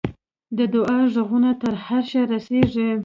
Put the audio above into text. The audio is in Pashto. د دعا ږغونه تر عرشه رسېږي.